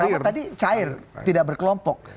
karena tadi cair tidak berkelompok